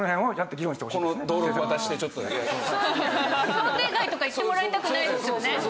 想定外とか言ってもらいたくないですよね。